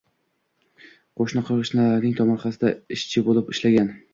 Qo‘ni-qo‘shnilarning tomorqasida ishchi bo’lib ishlagan.